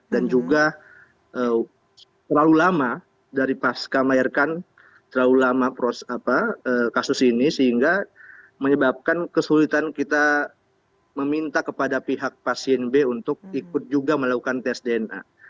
dan juga terlalu lama dari pas kami layarkan terlalu lama pros apa kasus ini sehingga menyebabkan kesulitan kita meminta kepada pihak pasien b untuk ikut juga melakukan tes dna